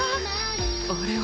あれは。